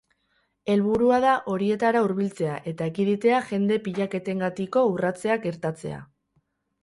Helburua da horietara hurbiltzea eta ekiditea jende-pilaketengatiko urratzeak gertatzea.